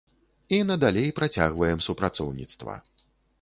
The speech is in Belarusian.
І надалей працягваем супрацоўніцтва.